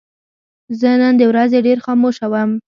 زه نن د ورځې ډېر خاموشه وم.